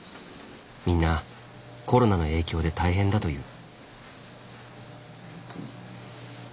みんなコロナの影響で大変だという。